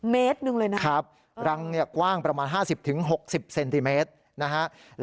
เมตรหนึ่งเลยนะครับรังเนี่ยกว้างประมาณ๕๐๖๐เซนติเมตรนะฮะ